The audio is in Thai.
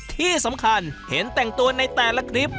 ที่สำคัญเห็นแต่งตัวในแต่ละคลิป